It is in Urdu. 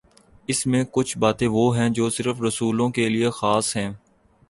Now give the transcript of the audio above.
اس میںکچھ باتیں وہ ہیں جو صرف رسولوں کے لیے خاص ہیں۔